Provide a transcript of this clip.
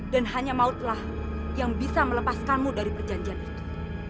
dan hanya mautlah yang bisa melepaskanmu dari perjanjian itu